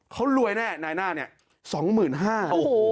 เขารวยแน่เนี้ยนายหน้าเนี่ย